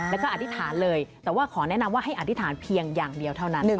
แล้วก็อธิษฐานเลยแต่ว่าขอแนะนำว่าให้อธิษฐานเพียงอย่างเดียวเท่านั้น